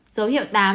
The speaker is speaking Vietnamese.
dấu hiệu tám